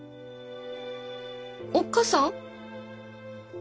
おっ母さん？